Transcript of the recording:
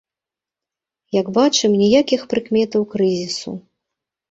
Як бачым, ніякіх прыкметаў крызісу!